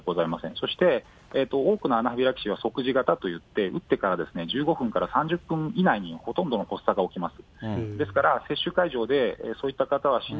そして多くのアナフィラキシーは即時型といって、打ってから１５分から３０分以内に、ほとんどの発作が起きます。